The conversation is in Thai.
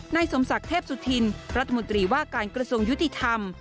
นายสมศักดิ์เทพสุธินรัฐมนตรีว่าการกระทรวงยุติธรรม